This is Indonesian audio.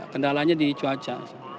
kendalanya di cuaca